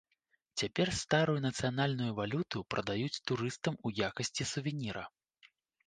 Цяпер старую нацыянальную валюту прадаюць турыстам у якасці сувеніра.